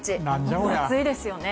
分厚いですよね。